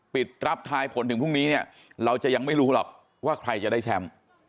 ปิดรับทายผลถึงพรุ่งนี้เนี่ยเราจะยังไม่รู้หรอกว่าใครจะได้แชมป์